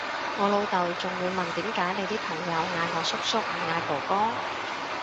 我老豆仲會問點解你啲朋友嗌我叔叔唔嗌哥哥？